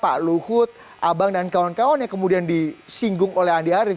pak luhut abang dan kawan kawan yang kemudian disinggung oleh andi arief